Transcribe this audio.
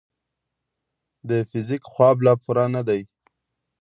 د فزیک خواب لا پوره نه دی.